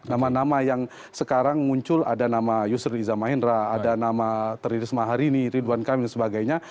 nama nama yang sekarang muncul ada nama yusri iza mahendra ada nama tri risma hari ini ridwan kamil sebagainya